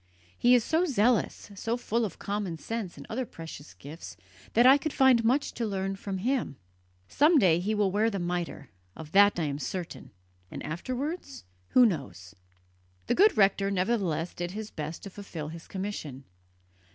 He is so zealous, so full of common sense and other precious gifts that I could find much to learn from him. Some day he will wear the mitre of that I am certain and afterwards? Who knows?" The good rector nevertheless did his best to fulfil his commission.